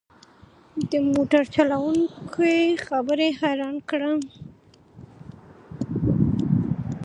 د موټر چلوونکي خبرې حيران کړم.